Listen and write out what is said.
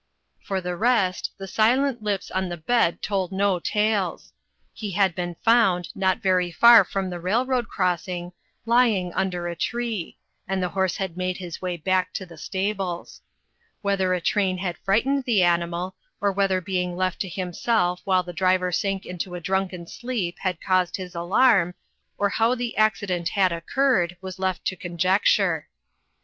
For the rest, the silent lips on the bed told no 39^ INTERRUPTED. tales. He had been found, not very far from the railroad crossing, lying under a tree, and the horse had made his way back to the stables. Whether a train bad fright ened the animal, or whether being left to himself while the driver sank into a drunken sleep had caused his alarm, or how the ac cident had occurred, was left to conjecture.